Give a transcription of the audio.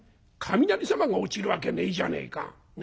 「雷様が落ちるわけねえじゃねえか。